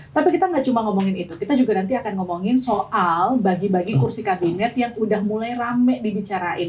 tapi kita gak cuma ngomongin itu kita juga nanti akan ngomongin soal bagi bagi kursi kabinet yang udah mulai rame dibicarain